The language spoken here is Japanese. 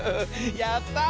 やった！